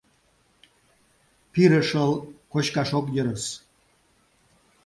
— Пире шыл кочкаш ок йӧрыс.